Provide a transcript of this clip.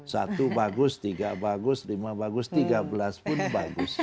satu bagus tiga bagus lima bagus tiga belas pun bagus